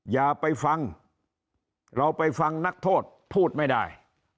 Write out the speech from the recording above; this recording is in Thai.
อย่าไปฟังเราไปฟังนักโทษพูดไม่ได้